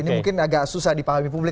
ini mungkin agak susah dipahami publik